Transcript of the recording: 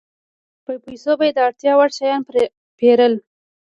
په پیسو به یې د اړتیا وړ شیان پېرل